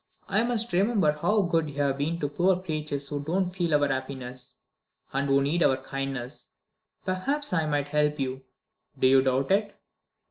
I must remember how good you have been to poor creatures who don't feel our happiness, and who need your kindness. Perhaps I might help you? Do you doubt it?"